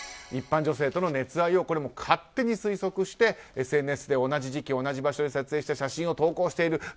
一般女性との熱愛をこれも勝手に推測してＳＮＳで同じ時期、同じ場所で撮影した写真を投稿している。